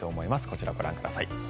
こちら、ご覧ください。